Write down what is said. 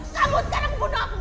kamu sekarang bunuh aku